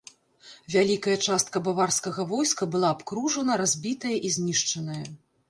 Вялікая частка баварскага войска была абкружана, разбітая і знішчаная.